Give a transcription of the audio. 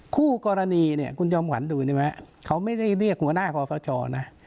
คู่กรณีเนี่ยคุณจอมขวัญดูนี่ไหมเขาไม่ได้เรียกหัวหน้าคอฟชนะ